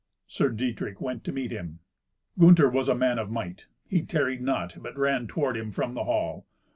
Sir Dietrich went to meet him. Gunther was a man of might. He tarried not, but ran toward him from the hall.